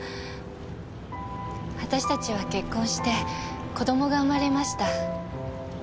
私たちは結婚して子供が生まれました。